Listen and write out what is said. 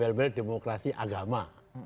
mlb demokrasi agama